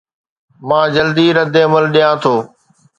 مان جلدي ردعمل ڏيان ٿو